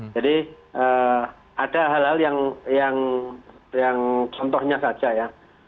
jadi ada hal hal yang contohnya saja ya